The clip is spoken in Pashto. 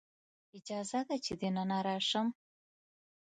اجازه ده چې دننه راشم؟